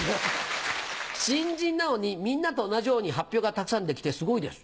「新入りなのにみんなと同じように発表がたくさんできてすごいです」。